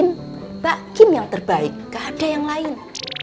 bak kim yang terbaik gak ada yang lain